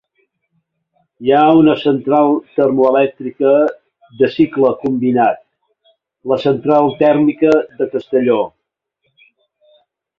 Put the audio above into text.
Hi ha una central termoelèctrica de cicle combinat, la Central tèrmica de Castelló.